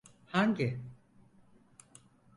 Hangi?